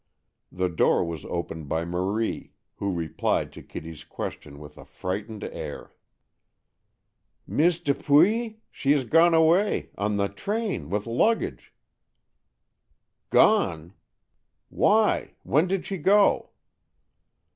The door was opened by Marie, who replied to Kitty's question with a frightened air. "Miss Dupuy? She is gone away. On the train, with luggage." "Gone! Why, when did she go?"